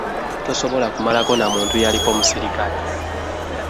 Tosobola kumalako na muntu yaliko musirikale.